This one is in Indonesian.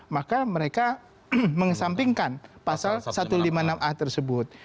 maka mereka mengesampingkan pasal satu ratus lima puluh enam a tersebut